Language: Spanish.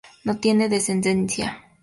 No tiene descendencia.